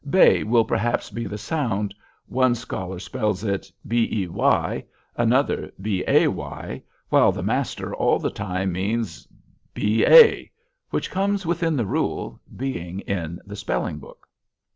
"Bay" will perhaps be the sound; one scholar spells it "bey," another, "bay," while the master all the time means "ba," which comes within the rule, being in the spelling book.